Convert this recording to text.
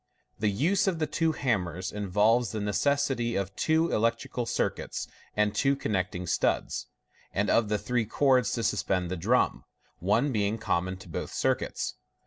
The use of the twe hammers involves the necessity of two electrical circuits and two connecting studs, and of three cords to suspend the drum (one being common to both circuits).